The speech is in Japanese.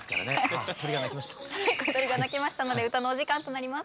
はい小鳥が鳴きましたので歌のお時間となります。